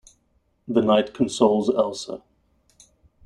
The Knight consoles Elsa.